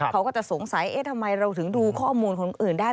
เขาก็จะสงสัยเอ๊ะทำไมเราถึงดูข้อมูลคนอื่นได้